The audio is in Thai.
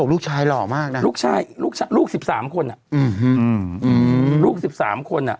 ลูกชายหล่อมากนะลูกชายลูกชายลูกสิบสามคนอ่ะอือฮือลูกสิบสามคนอ่ะ